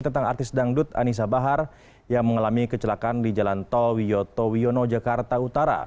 tentang artis dangdut anissa bahar yang mengalami kecelakaan di jalan tol wiyoto wiono jakarta utara